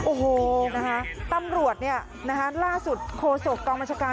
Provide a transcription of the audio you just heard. โอ้โฮตำรวจนี่ล่าสุดโคสกกองบัญชการ